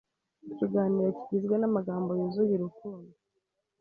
Ikiganiro kigizwe n’amagambo yuzuye urukundo